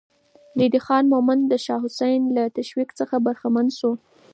ريدی خان مومند د شاه حسين له تشويق څخه برخمن شو.